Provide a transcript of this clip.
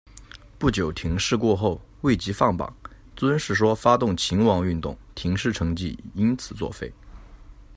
不久庭试过后，未及放榜，尊室说发动勤王运动，庭试成绩因此作废。